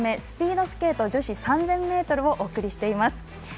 スピードスケート女子３０００ｍをお送りしています。